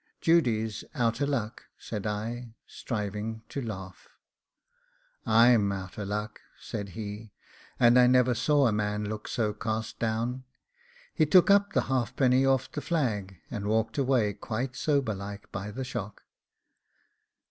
'Judy's out a luck,' said I, striving to laugh. 'I'm out a luck,' said he; and I never saw a man look so cast down: he took up the halfpenny off the flag, and walked away quite sober like by the shock.